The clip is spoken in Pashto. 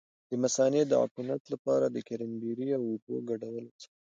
د مثانې د عفونت لپاره د کرینبیري او اوبو ګډول وڅښئ